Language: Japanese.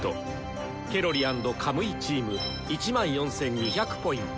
ケロリ＆カムイチーム１４２００Ｐ。